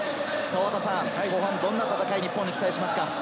後半、どんな戦い日本に期待しますか？